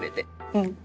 うん。